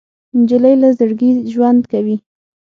نجلۍ له زړګي ژوند کوي.